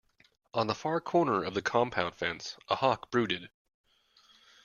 On the far corner of the compound fence a hawk brooded.